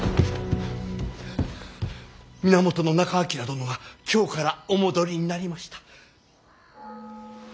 源仲章殿が京からお戻りになりました。